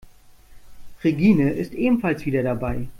Regine ist ebenfalls wieder dabei.